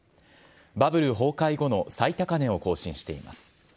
バブル崩壊後の最高値を更新しています。